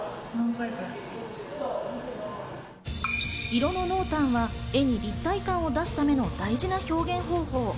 色の濃淡は絵に立体感を出すための大事な表現方法。